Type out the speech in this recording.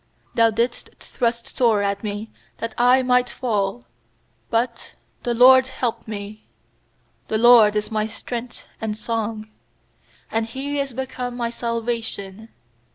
13Thou didst thrust sore at me that I might fall; But the LORD helped me. 14The LORD is my strength and song; And He is become my salvation.